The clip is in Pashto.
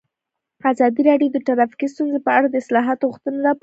ازادي راډیو د ټرافیکي ستونزې په اړه د اصلاحاتو غوښتنې راپور کړې.